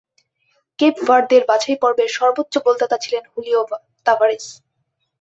Cape ভার্দের বাছাইপর্বের সর্বোচ্চ গোলদাতা ছিলেন হুলিও তাভারেস।